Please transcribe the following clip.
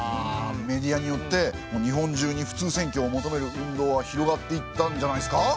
メディアによって日本中に普通選挙を求める運動が広がっていったんじゃないですか？